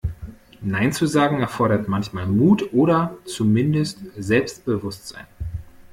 Nein zu sagen, erfordert manchmal Mut oder zumindest Selbstbewusstsein.